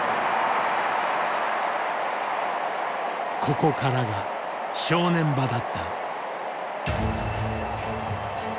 ここからが正念場だった。